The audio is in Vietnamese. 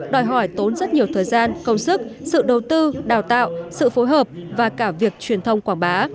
đòi hỏi tốn rất nhiều thời gian công sức sự đầu tư đào tạo sự phối hợp và cả việc truyền thông quảng bá